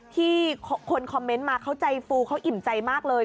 ที่คนคอมเมนต์มาเขาใจฟูเขาอิ่มใจมากเลย